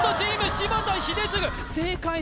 柴田英嗣